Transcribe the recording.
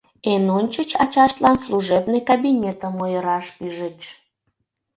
Эн ончыч ачаштлан служебный кабинетым ойыраш пижыч.